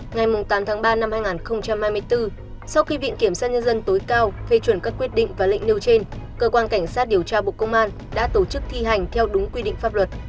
ngày tám tháng ba năm hai nghìn hai mươi bốn sau khi viện kiểm sát nhân dân tối cao phê chuẩn các quyết định và lệnh nêu trên cơ quan cảnh sát điều tra bộ công an đã tổ chức thi hành theo đúng quy định pháp luật